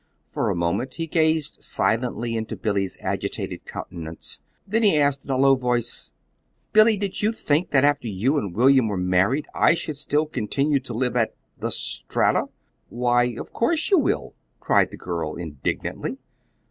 For a moment he gazed silently into Billy's agitated countenance; then he asked in a low voice: "Billy, did you think that after you and William were married I should still continue to live at the Strata?" "Why, of course you will!" cried the girl, indignantly.